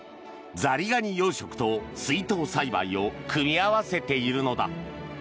ザリガニ養殖と水稲栽培を組み合わせているのだ。